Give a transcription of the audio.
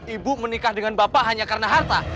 ibu menikah dengan bapak hanya karena harta